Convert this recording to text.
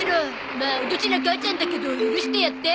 まあドジな母ちゃんだけど許してやって。